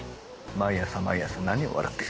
毎朝毎朝何を笑っている？